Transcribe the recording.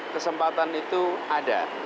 kesempatan itu ada